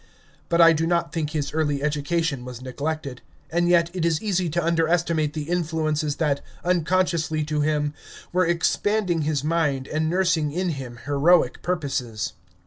But I do not think his early education was neglected. And yet it is easy to underestimate the influences that, unconsciously to him, were expanding his mind and nursing in him heroic purposes.